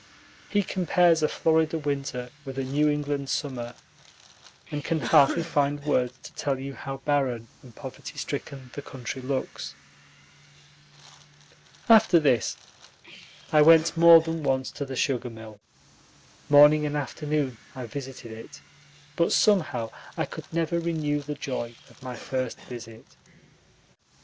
He compares a Florida winter with a New England summer, and can hardly find words to tell you how barren and poverty stricken the country looks. After this I went more than once to the sugar mill. Morning and afternoon I visited it, but somehow I could never renew the joy of my first visit.